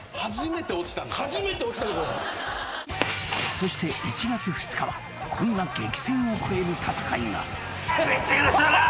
［そして１月２日はこんな激戦を超える戦いが］